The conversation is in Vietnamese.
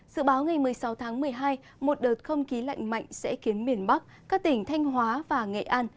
dự báo ngày một mươi sáu tháng một mươi hai một đợt không khí lạnh mạnh sẽ khiến miền bắc các tỉnh thanh hóa và nghệ an